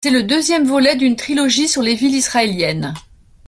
C'est le deuxième volet d'une trilogie sur les villes israéliennes.